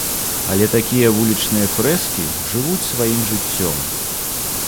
Але такія вулічныя фрэскі жывуць сваім жыццём.